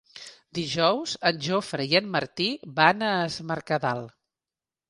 Dijous en Jofre i en Martí van a Es Mercadal.